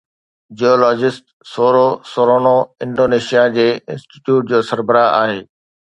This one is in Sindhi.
جيولوجسٽ سورو سورونو انڊونيشيا جي انسٽيٽيوٽ جو سربراهه آهي